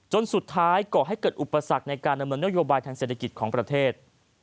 จนสุดท้ายก่อให้เกิดอุปสรรคในการดำเนินนโยบายทางเศรษฐกิจของประเทศ